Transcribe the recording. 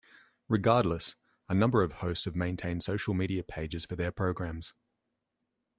Regardless, a number of hosts have maintained social media pages for their programs.